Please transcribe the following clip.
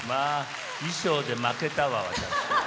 衣装で負けたわ、私。